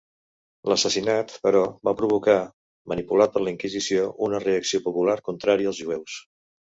L'assassinat, però, va provocar, manipulat per la Inquisició, una reacció popular contrària als jueus.